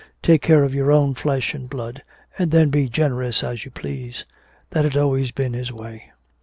Take care of your own flesh and blood, and then be generous as you please that had always been his way.